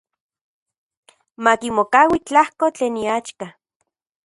Makimokaui tlajko tlen iaxka.